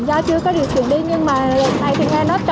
do chưa có điều kiện đi nhưng mà lần này